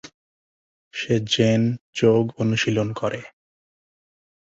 সে Zen যোগ অনুশীলন করে।